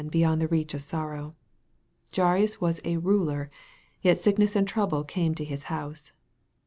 beyond the reach of sorrow. Jairus was a "ruler ;" yet sickness and trouble came to his house.